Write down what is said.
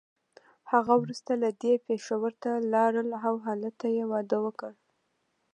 هغه وروسته له دې پېښور ته لاړه او هلته يې واده وکړ.